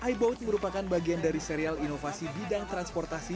iboat merupakan bagian dari serial inovasi bidang transportasi